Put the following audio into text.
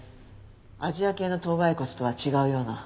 アジア系の頭蓋骨とは違うような。